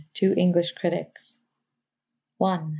TWO ENGLISH CRITICS (1) MR.